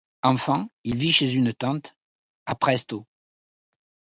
Enfant, il vit chez une tante, à Præstø.